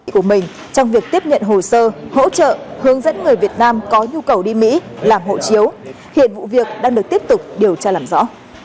của mình trong việc tiếp nhận hồ sơ hỗ trợ hướng dẫn người việt nam có nhu cầu đi mỹ làm hộ chiếu hiện vụ việc đang được tiếp tục điều tra làm rõ